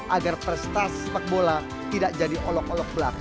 agar prestasi sepak bola tidak jadi olok olok belak